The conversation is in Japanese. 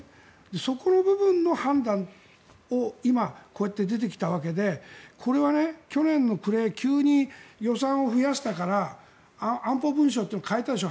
そこの部分の判断が今、こうやって出てきたわけでこれは去年の暮れ急に予算を増やしたから安保文書というのを変えたでしょ。